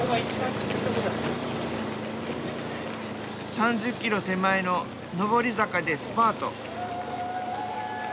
３０ｋｍ手前の上り坂でスパート。